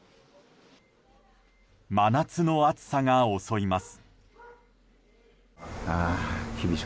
真夏の暑さが襲います。